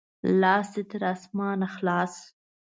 لاس دې تر اسمانه خلاص!